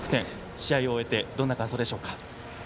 試合を終えてどんな感想でしょうか？